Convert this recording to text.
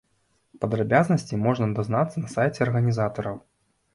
Падрабязнасці можна дазнацца на сайце арганізатараў.